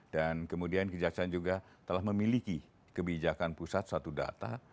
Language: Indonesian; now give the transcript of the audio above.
dan kemudian kejaksaan juga telah memiliki kebijakan pusat satu data